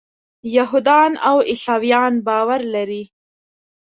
یهودان او عیسویان باور لري.